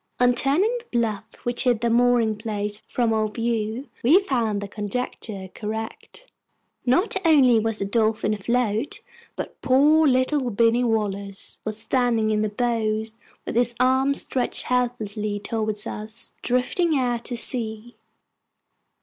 On turning the bluff which hid the mooring place from our view, we found the conjecture correct. Not only was the Dolphin afloat, but poor little Binny Wallace was standing in the bows with his arms stretched helplessly towards us drifting out to sea!